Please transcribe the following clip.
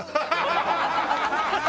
ハハハハ！